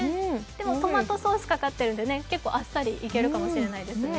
トマトソースかかってるんで結構あっさりいけるかもしれないですね。